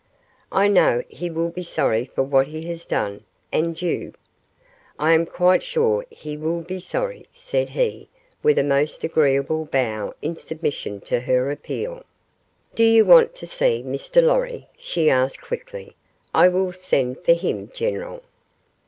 "I know he will be sorry for what he has done, and you " "I am quite sure he will be sorry," said he, with a most agreeable bow in submission to her appeal. "Do you want to see Mr. Lorry?" she asked quickly. "I will send for him, general."